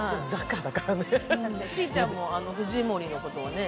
しーちゃんも藤森のことをね？